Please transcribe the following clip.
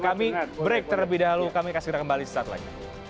kami break terlebih dahulu kami akan segera kembali sesaat lagi